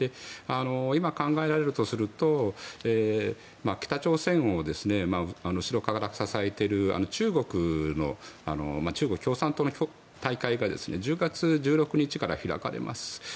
今、考えられるとすると北朝鮮を後ろから支えている中国共産党の大会が１０月１６日から開かれます。